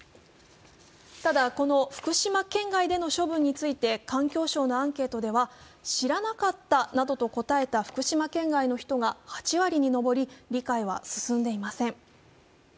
ただ、福島県外での処分について環境省のアンケートでは知らなかったなどと答えた福島県外の人が８割に上り理解は進んでいません。